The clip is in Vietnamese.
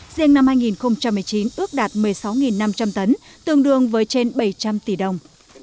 riêng năm hai nghìn một mươi chín ước đạt một mươi sáu năm trăm linh tấn tương đương với trên bảy trăm linh tỷ đồng